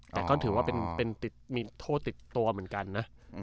แต่ก็ถือว่าเป็นมีโทษติดตัวเหมือนกันนะ